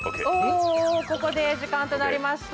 おここで時間となりました。